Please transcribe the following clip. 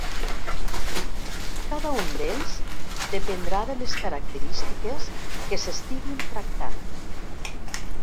Cada un d'ells dependrà de les característiques que s'estiguin tractant.